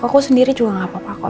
aku sendiri juga gak apa apa kok